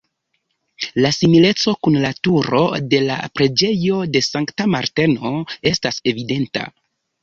La simileco kun la Turo de la Preĝejo de Sankta Marteno estas evidenta.